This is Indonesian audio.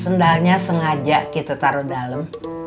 sendalnya sengaja kita taruh dalam